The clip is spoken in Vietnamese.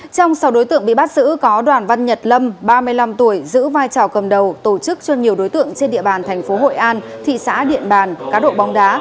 trong sáu đối tượng bị bắt giữ có đoàn văn nhật lâm ba mươi năm tuổi giữ vai trò cầm đầu tổ chức cho nhiều đối tượng trên địa bàn thành phố hội an thị xã điện bàn cá độ bóng đá